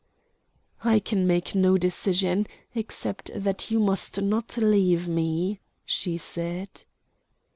"I can make no decision except that you must not leave me," she said.